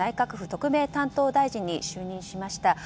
特命担当大臣に就任しました。